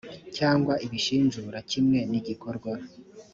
cyangwa ibishinjura kimwe n igikorwa